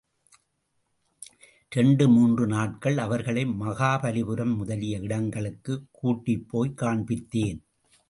இரண்டு மூன்று நாட்கள் அவர்களை மகாபலிபுரம் முதலிய இடங்களுக்குக் கூட்டிபோய் காண்பித்தேன்.